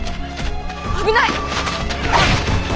危ない！